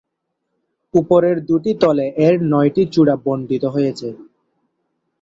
উপরের দুটি তলে এর নয়টি চূড়া বণ্টিত হয়েছে।